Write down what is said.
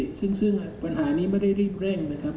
ซึ่งปัญหานี้ไม่ได้รีบเร่งนะครับ